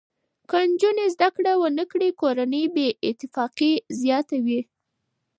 که نجونې زده کړه نه وکړي، کورنۍ بې اتفاقي زیاته وي.